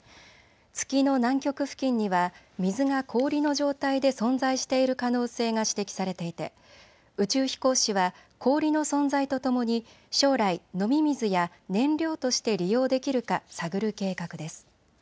月の南極付近には水が氷の状態で存在している可能性が指摘されていて宇宙飛行士は氷の存在とともに将来、飲み水や燃料として利用できるか探る計画です。